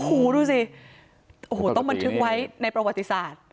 อู้หูต้องมันทึกไว้ในประวัติศาสตร์